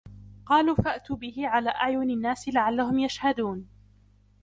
قالوا فأتوا به على أعين الناس لعلهم يشهدون